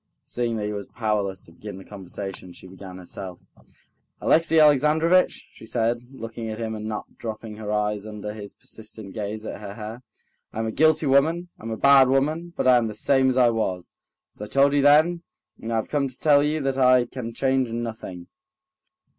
Seeing that he was powerless to begin the conversation, she began herself. "Alexey Alexandrovitch," she said, looking at him and not dropping her eyes under his persistent gaze at her hair, "I'm a guilty woman, I'm a bad woman, but I am the same as I was, as I told you then, and I have come to tell you that I can change nothing."